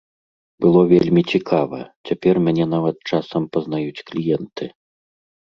Было вельмі цікава, цяпер мяне нават часам пазнаюць кліенты.